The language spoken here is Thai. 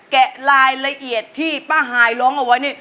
แกะรายละเอียดที่ป้าฮายร้องเอาไว้นี่